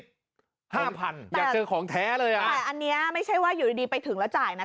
อยากเจอของแท้เลยหรอแต่อันนี้ไม่ใช่ว่าอยู่ดีไปถึงแล้วจ่ายนะ